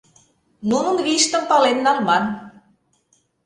Нунын вийыштым пален налман.